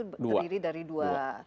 berdiri dari dua